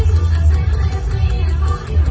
มันเป็นเมื่อไหร่แล้ว